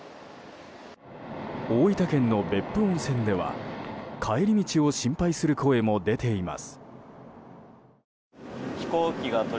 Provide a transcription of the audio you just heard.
大分県の別府温泉では帰り道を心配する声も出ています。